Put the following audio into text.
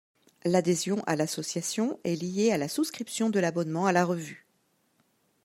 L’adhésion à l’association est liée à la souscription de l’abonnement à la revue.